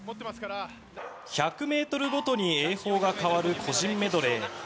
１００ｍごとに泳法が変わる個人メドレー。